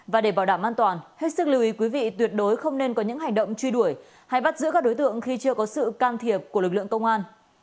và để bảo đảm an toàn hết sức lưu ý quý vị tuyệt đối không nên có những hành động truy đuổi hay bắt giữ các đối tượng khi chưa có sự can thiệp của lực lượng công an